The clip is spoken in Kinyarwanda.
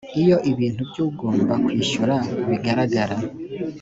iyo ibintu by ugomba kwishyura bigaragara